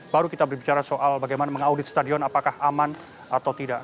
baru kita berbicara soal bagaimana mengaudit stadion apakah aman atau tidak